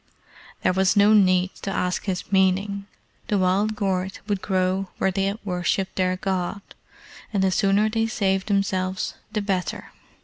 There was no need to ask his meaning. The wild gourd would grow where they had worshipped their God, and the sooner they saved themselves the better.